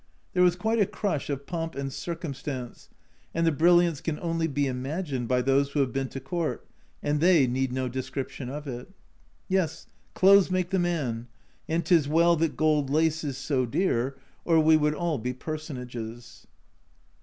There was quite a crush of Pomp and Circumstance, and the brilliance can only be imagined by those who have been to Court, and they need no description of it. Yes, clothes make the man, and 'tis well that gold lace is so dear, or we would all be Personages.